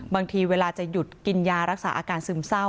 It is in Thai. บางทีเวลาจะหยุดกินยารักษาอาการซึมเศร้า